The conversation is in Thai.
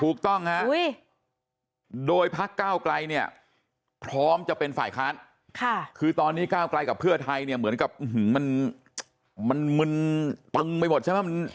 ถูกต้องฮะโดยพักก้าวไกลเนี่ยพร้อมจะเป็นฝ่ายค้านคือตอนนี้ก้าวไกลกับเพื่อไทยเนี่ยเหมือนกับมันมึนตึงไปหมดใช่ไหม